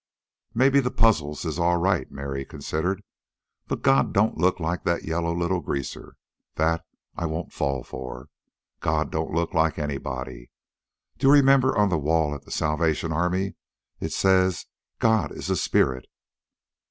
"Mebbe the puzzles is all right," Mary considered. "But God don't look like that yellow little Greaser. THAT I won't fall for. God don't look like anybody. Don't you remember on the wall at the Salvation Army it says 'God is a spirit'?"